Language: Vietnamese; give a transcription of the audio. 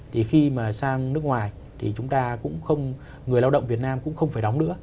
thì khi mà sang nước ngoài thì chúng ta cũng không người lao động việt nam cũng không phải đóng nữa